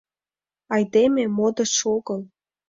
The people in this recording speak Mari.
Айдеме модыш огыл!